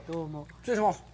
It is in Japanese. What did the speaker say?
失礼します。